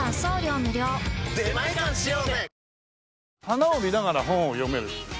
花を見ながら本を読める。